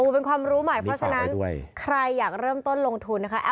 เป็นความรู้ใหม่เพราะฉะนั้นใครอยากเริ่มต้นลงทุนนะคะ